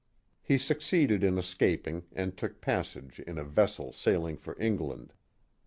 He succeeded in escaping and took passage in a vessel sailing for England.